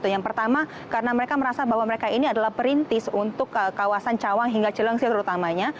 yang pertama karena mereka merasa bahwa mereka ini adalah perintis untuk kawasan cawang hingga cilengsi terutamanya